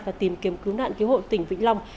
và tìm kiếm cứu nạn cứu hộ tỉnh vĩnh long